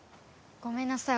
ごめんなさい